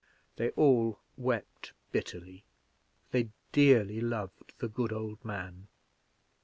They all wept bitterly, for they dearly loved the good old man.